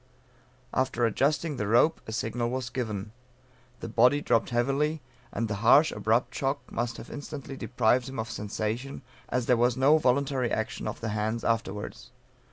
After adjusting the rope, a signal was given. The body dropped heavily, and the harsh abrupt shock must have instantly deprived him of sensation, as there was no voluntary action of the hands afterwards.